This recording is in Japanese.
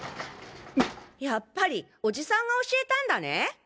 やっぱりおじさんが教えたんだね？